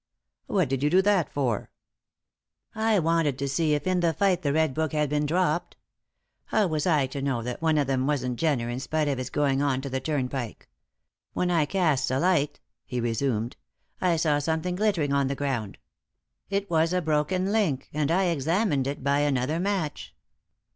"What did you do that for?" "I wanted to see if in the fight the red book had been dropped. How was I to know that one of them wasn't Jenner in spite of his going on to the Turnpike! When I casts a light," he resumed. "I saw something glittering on the ground. It was a broken link, and I examined it by another match.